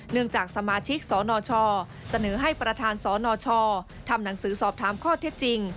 จากสมาชิกสนชเสนอให้ประธานสนชทำหนังสือสอบถามข้อเท็จจริง